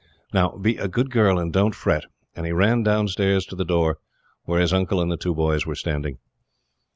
"Now be a good girl, and don't fret;" and he ran downstairs to the door, where his uncle and the two boys were standing.